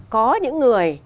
có những người